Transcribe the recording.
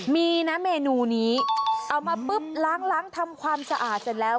มีนะเมนูนี้เอามาปุ๊บล้างล้างทำความสะอาดเสร็จแล้ว